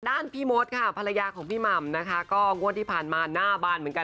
ด้านพี่มฐภรรยาของพี่ม่ำก็งวดที่ผ่านมาหน้าบานเหมือนกัน